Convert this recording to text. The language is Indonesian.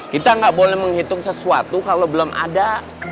kita nggak boleh menghitung sesuatu kalau belum ada